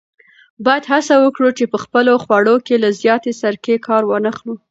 باید هڅه وکړو چې په خپلو خوړو کې له زیاتې سرکې کار وانخلو.